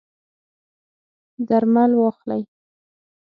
درمل واخلئ